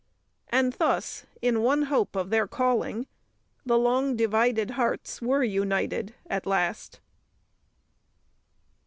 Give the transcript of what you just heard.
And thus in one hope of their calling the long divided hearts were united at last.